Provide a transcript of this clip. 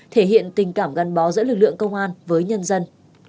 thể hiện tình cảm gắn bó giữa lực lượng công an với nhân dân